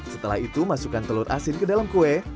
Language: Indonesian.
setelah itu masukkan telur asin ke dalam kue